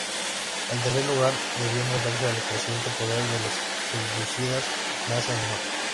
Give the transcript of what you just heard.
En tercer lugar, debió enfrentarse al creciente poder de los selyúcidas en Asia Menor.